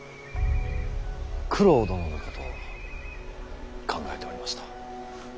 九郎殿のことを考えておりました。